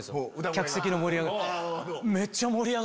客席の盛り上がり。